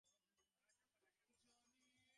অনায়াসে সব টাকাই নিয়ে আসতে পারত।